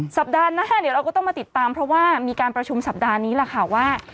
สัปดาห์หน้าเดี๋ยวเราก็ต้องมาติดตามเพราะว่ามีการประชุมสัปดาห์นี้แหละค่ะว่า